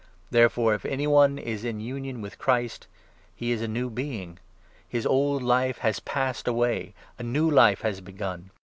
Therefore, if any one is in union with 17 Christ, he is a new being ! His old life has passed away ; a new life has begun